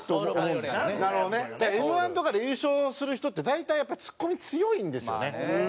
だからＭ−１とかで優勝する人って大体やっぱツッコミ強いんですよね。